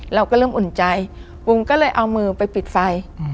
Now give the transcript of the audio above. เราก็เริ่มอุ่นใจบุ๋มก็เลยเอามือไปปิดไฟ